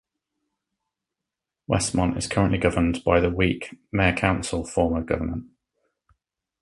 Westmont is currently governed by the "Weak Mayor-Council" form of government.